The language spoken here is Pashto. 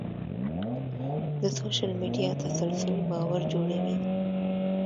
د سوشل میډیا تسلسل باور جوړوي.